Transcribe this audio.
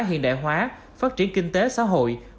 hiện đại hóa phát triển kinh tế xã hội